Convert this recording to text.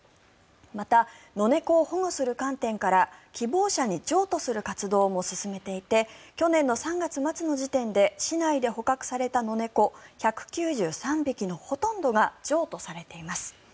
また、ノネコを保護する観点から希望者に譲渡する活動も進めていて去年の３月末の時点で市内で捕獲されたノネコ１９３匹のほとんどが譲渡されています。